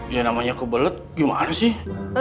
ya namanya kebelet gimana sih